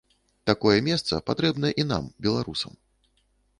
Такое месца патрэбна і нам, беларусам.